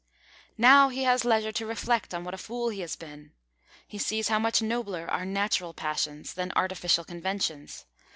Now he has leisure to reflect on what a fool he has been. He sees how much nobler are natural passions than artificial conventions.